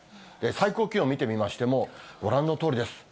最高気温見てみましても、ご覧のとおりです。